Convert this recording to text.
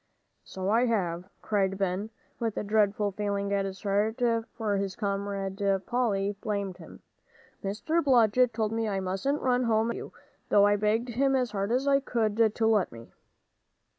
"So I have," cried Ben, with a dreadful feeling at his heart that his comrade Polly blamed him. "Mr. Blodgett told me I mustn't run home and tell you, though I begged him as hard as I could to let me."